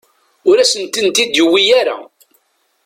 Ur asen-tent-id-yuwi ara.